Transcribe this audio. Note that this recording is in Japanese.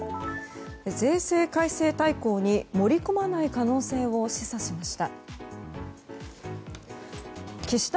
税制改正大綱に盛り込まない可能性を示唆しました。